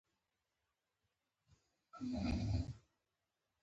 خو چې ګودر کښې مې سر ورښکته کړو